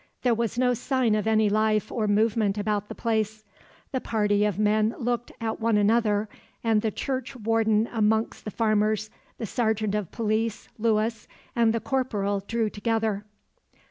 There was no sign of any life or movement about the place. The party of men looked at one another, and the churchwarden amongst the farmers, the sergeant of police, Lewis, and the corporal drew together.